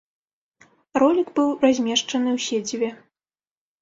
Ролік быў размешчаны ў сеціве.